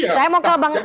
saya mau ke bang eriko